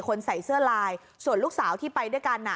ใส่เสื้อลายส่วนลูกสาวที่ไปด้วยกัน